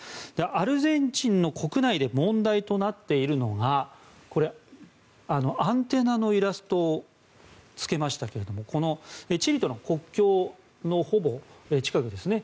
アルゼンチンの国内で問題となっているのがアンテナのイラストをつけましたがこのチリとの国境のほぼ近くですね。